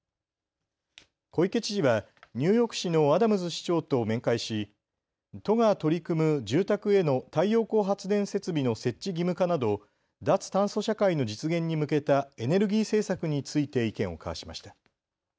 小池知事はニューヨーク市のアダムズ市長と面会し都が取り組む住宅への太陽光発電設備の設置義務化など脱炭素社会の実現に向けたエネルギー政策について意見を交わしました。